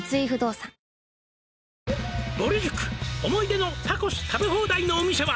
「ぼる塾思い出のタコス食べ放題のお店は」